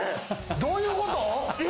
どういうこと？